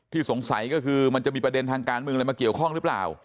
สงสัยก็คือมันจะมีประเด็นทางการเมืองอะไรมาเกี่ยวข้องหรือเปล่า